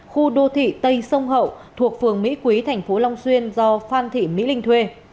khu đô thị tây sông hậu thuộc phường mỹ quý thành phố long xuyên do phan thị mỹ linh thuê